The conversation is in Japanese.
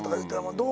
どう？